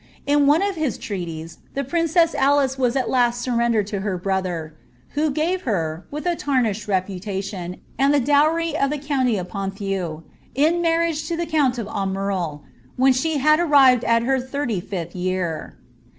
In one of his treaties, the prin cew Alice was at last surrendered to her brother, who gave her, with a tarnished reputation, and the dowry of the county of Ponthieu, in mar riage to ihB count of Aumerle, when she had arrived at her thirty fifth year.